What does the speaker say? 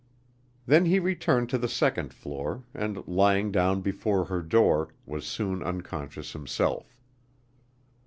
Then he returned to the second floor and, lying down before her door, was soon unconscious himself.